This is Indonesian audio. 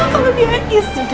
kalau dia is dead